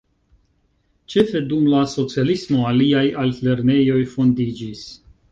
Ĉefe dum la socialismo aliaj altlernejoj fondiĝis.